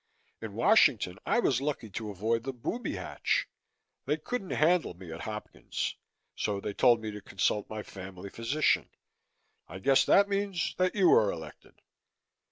In Washington, I was lucky to avoid the booby hatch. They couldn't handle me at Hopkins, so they told me to consult my family physician. I guess that means that you are elected."